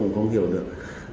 không hiểu được